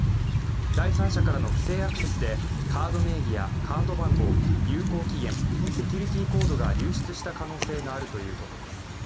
第三者からの不正アクセスでカード名義やカード番号有効期限、セキュリティーコードが流出した可能性があるということです。